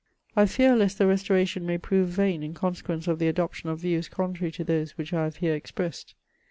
I fear lest the Restoration may prove vain in consequence of the adoption of views contrary to those which I have here expressed.